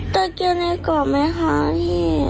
ตะเกียงในกรอบไหมคะพี่